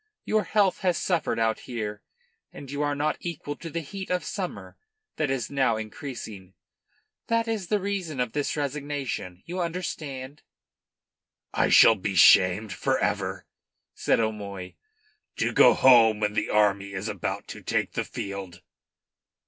Your health has suffered out here, and you are not equal to the heat of summer that is now increasing. That is the reason of this resignation. You understand?" "I shall be shamed for ever," said O'Moy. "To go home when the army is about to take the field!"